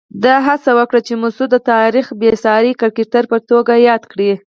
ده هڅه وکړه چې مسعود د تاریخ بېساري کرکټر په توګه یاد کړي.